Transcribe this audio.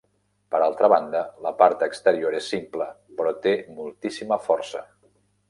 Per altra banda, la part exterior és simple, però té moltíssima força.